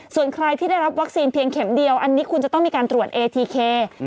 ส่วนใครที่ได้รับวัคซีนเพียงเข็มเดียวอันนี้คุณจะต้องมีการตรวจเอทีเค